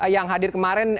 yang hadir kemarin